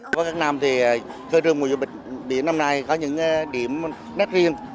với các nam thì khơi trường mùa du lịch biển năm nay có những điểm nét riêng